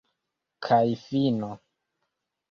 Kaj fino!